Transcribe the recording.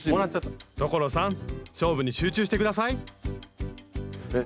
所さん勝負に集中して下さいえっ